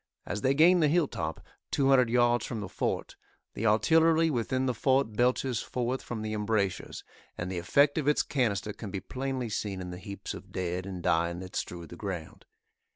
As they gain the hill top, two hundred yards from the fort, the artillery within the fort belches forth from the embrasures, and the effect of its canister can be plainly seen in the heaps of dead and dying that strew the ground.